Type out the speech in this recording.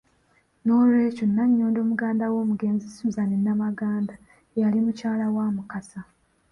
Nolwekyo Nanyondo muganda w'omugenzi Suzan Namaganda eyali mukyala wa Mukasa.